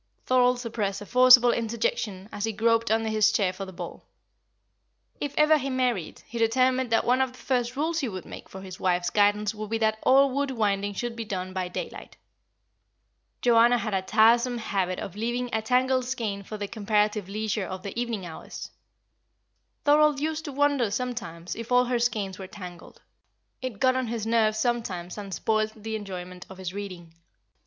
Thorold suppressed a forcible interjection as he groped under his chair for the ball. If ever he married, he determined that one of the first rules he would make for his wife's guidance would be that all wool winding should be done by daylight. Joanna had a tiresome habit of leaving a tangled skein for the comparative leisure of the evening hours. Thorold used to wonder sometimes if all her skeins were tangled. It got on his nerves sometimes and spoilt the enjoyment of his reading.